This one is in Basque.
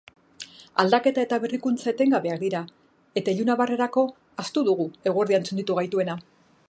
Aldaketa eta berrikuntza etengabeak dira, eta ilunabarrerako ahaztu dugu eguerdian txunditu gaituena.